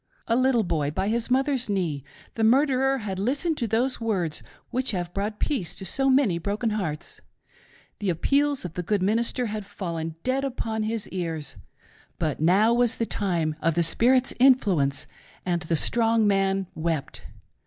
A little boy, by his mother's knee, the murderer had listened to those words PUTTING IT TO THE TEST. 77 which have brought peace to so many broken hearts. The appeals of the good minister had fallen dead upon his ears. But now was the time of the Spirit's influence, and the strong man wept.